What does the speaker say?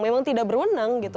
memang tidak berwenang gitu